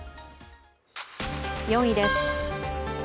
４位です。